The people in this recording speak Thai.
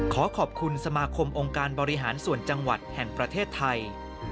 ขอขอบคุณสมาคมองค์การบริหารส่วนจังหวัดแห่งประเทศไทย